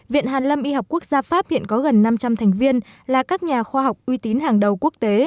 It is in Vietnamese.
viện hàn lâm y học quốc gia pháp hiện có gần năm trăm linh thành viên là các nhà khoa học uy tín hàng đầu quốc tế